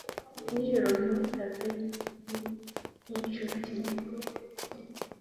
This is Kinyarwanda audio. Nijoro nkikaze nkinshuti